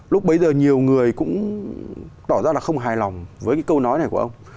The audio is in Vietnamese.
lúc bấy giờ nhiều người cũng tỏ ra là không hài lòng với cái câu nói này của ông